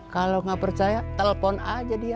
kalau gak percaya telepon aja dia